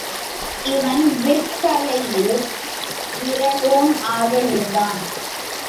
இவன் விற்கலையில் விறலோன் ஆக இருந்தான்.